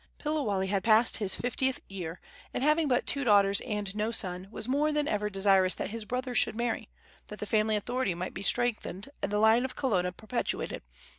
Piliwale had passed his fiftieth year, and, having but two daughters and no son, was more than ever desirous that his brother should marry, that the family authority might be strengthened and the line of Kalona perpetuated.